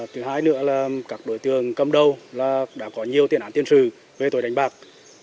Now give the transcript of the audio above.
thứ hai nữa là các đối tượng cầm đầu đã có nhiều tiền án tiền sự về tội đánh bạc